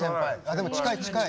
でも近い近い。